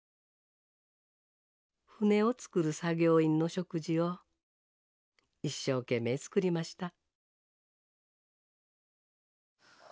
船を造る作業員の食事を一生懸命作りました。